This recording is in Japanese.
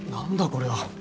これは。